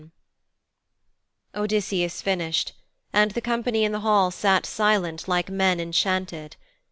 VII Odysseus finished, and the company in the hall sat silent, like men enchanted.